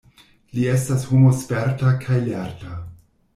Li estas homo sperta kaj lerta.